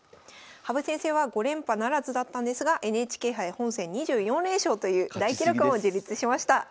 羽生先生は５連覇ならずだったんですがＮＨＫ杯本戦２４連勝という大記録も樹立しました。